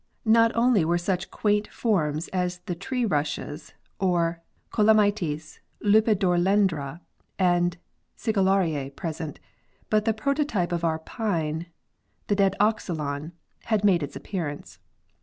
129 Not only were such quaint forms as the tree rushes or Cala mites, Lepidodendra and Sigillaria present, but the prototype of our pine, the Dadoxylon, had made its appearance.